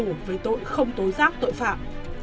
bị cáo với tội không tối giáp tội phạm